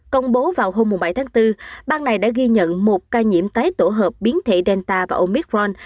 công bố vào hôm bảy tháng bốn bang này đã ghi nhận một ca nhiễm tái tổ hợp biến thể delta và omicron